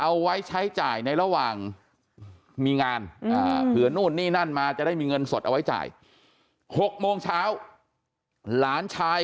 เอาไว้ใช้จ่ายในระหว่างมีงานเผื่อนุ่นนี่นั่นมาจะได้มีเงินสดเอาไว้จ่าย